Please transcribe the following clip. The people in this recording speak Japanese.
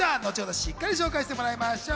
しっかり紹介してもらいましょう。